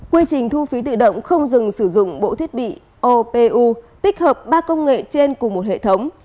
quy trình thu phí tự động không dừng sử dụng bộ thiết bị opu tích hợp ba công nghệ trên cùng một hệ thống